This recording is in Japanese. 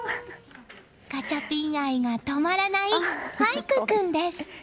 ガチャピン愛が止まらない麻夷琥君です。